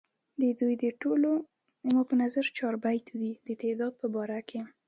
ددوي د ټولو چابېتو د تعداد پۀ باره کښې